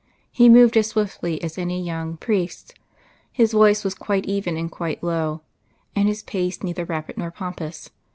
He moved as swiftly as any young priest, His voice was quite even and quite low, and his pace neither rapid nor pompous.